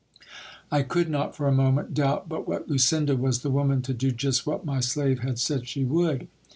I could not for a moment doubt but what Lucinda was the woman to do just what my slave had said she would.